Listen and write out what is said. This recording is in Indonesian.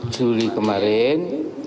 tiga belas juli kemarin